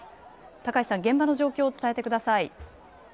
高橋さん、現場の状況を伝えてください。